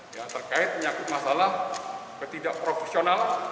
yang terkait menyakit masalah ketidakprofesional